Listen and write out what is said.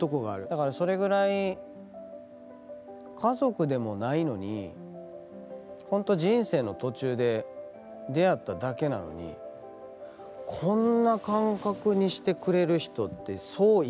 だからそれぐらい家族でもないのにほんと人生の途中で出会っただけなのにこんな感覚にしてくれる人ってそういないです。